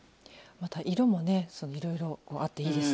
また色もねいろいろあっていいですね。